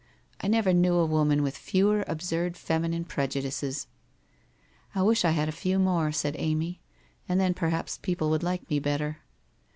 I never knew a woman with fewer absurd fem inine prejudices.' * I wish I had a few more,' said Amy, ' and then per haps people would like me better.'